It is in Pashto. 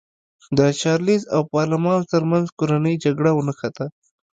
د چارلېز او پارلمان ترمنځ کورنۍ جګړه ونښته.